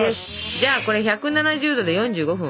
じゃあこれ１７０℃で４５分！